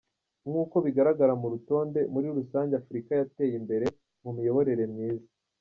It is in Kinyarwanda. Nk’uko bigaragara mu rutonde, muri rusange Afurika yateye imbere mu miyoborere myiza.